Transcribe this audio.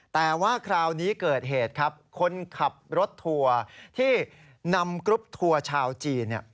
แต่ว่าคราวนี้เกิดเหตุครับคนขับรถทัวร์ที่นำกรุ๊ปทัวร์ชาวจีน